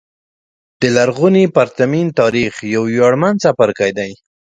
د لرغوني پرتمین تاریخ یو ویاړمن څپرکی دی.